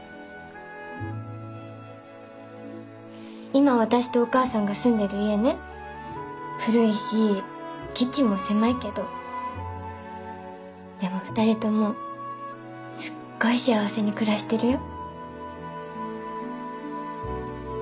今私とお母さんが住んでる家ね古いしキッチンも狭いけどでも二人ともすっごい幸せに暮らしてるよ。